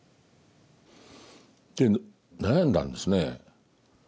で悩んだんですね。